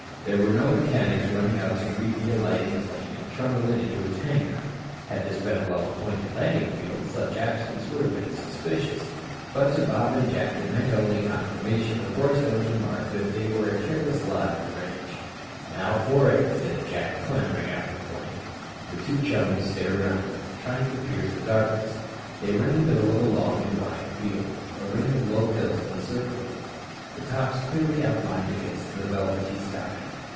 There were no mechanics running out to greet the alighting plane and trundle it into its hangar. Had this been a well appointed landing field, such absence would have been suspicious. But to Bob and Jack it meant only confirmation of Roy Stone's remark that they were a "careless lot at the ranch." "Now for it," said Jack, clambering out of the plane. The two chums stared around them, trying to pierce the darkness. They were in the middle of a long and wide field. A ring of low hills encircled them, the tops clearly outlined against the velvety sky.